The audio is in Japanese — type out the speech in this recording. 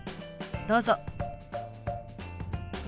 どうぞ。